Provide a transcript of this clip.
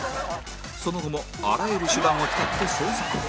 その後もあらゆる手段を使って捜索